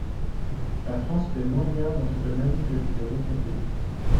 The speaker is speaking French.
La France fait moins bien dans ce domaine que les autres pays.